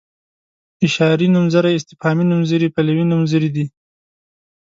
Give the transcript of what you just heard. اشاري نومځري استفهامي نومځري پلوي نومځري دي.